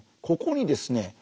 ここにですね